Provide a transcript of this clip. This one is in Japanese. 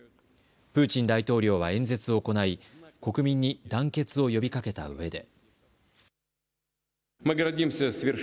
プーチン大統領は演説を行い国民に団結を呼びかけたうえで。